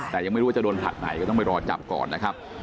แต่ยังไม่รู้ว่าจะโดนผลักไหนก็ต้องไปรอจับก่อนนะครับ